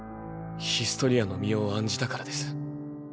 ヒストリアの身を案じたからです。